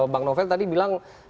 bang novel tadi bilang